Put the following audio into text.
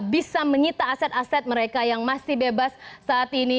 bisa menyita aset aset mereka yang masih bebas saat ini